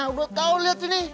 udah tahu lihat ini